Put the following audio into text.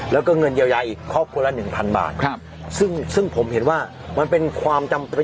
แล้วก็เงินเยอะใหญ่เขาควรละหนึ่งพันบาทครับซึ่งซึ่งผมเห็นว่ามันเป็นความจำ